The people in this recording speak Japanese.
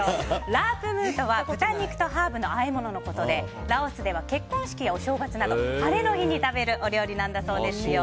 ラープ・ムーとは豚肉とハーブのあえ物のことでラオスでは結婚式やお正月など晴れの日に食べるお料理なんだそうですよ。